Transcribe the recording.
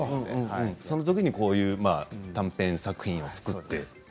そのときに、短編作品を作って。